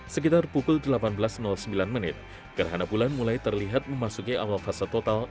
sekitar pukul delapan belas sembilan menit gerhana bulan mulai terlihat memasuki awal fase total